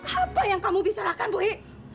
apa yang kamu bisa lakukan puhi